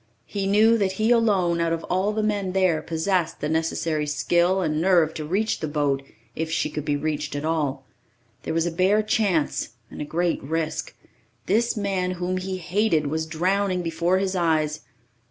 He knew that he alone, out of all the men there, possessed the necessary skill and nerve to reach the boat if she could be reached at all. There was a bare chance and a great risk. This man whom he hated was drowning before his eyes.